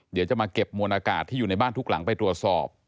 เดี๋ยวจะมาเก็บมวลอากาศที่อยู่ในบ้านทุกหลังไปตรวจสอบ